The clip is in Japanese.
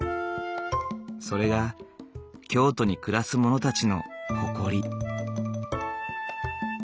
それが京都に暮らす者たちの誇り。